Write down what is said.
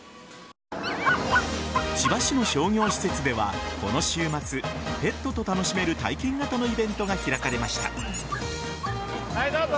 千葉市の商業施設ではこの週末ペットと楽しめる体験型のイベントが開かれました。